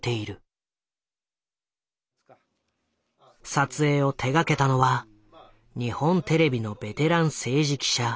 撮影を手がけたのは日本テレビのベテラン政治記者菱山郁朗。